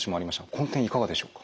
この点いかがでしょうか？